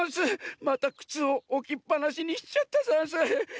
またくつをおきっぱなしにしちゃったざんす。